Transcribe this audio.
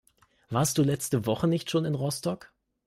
Warst du letzte Woche nicht schon in Rostock?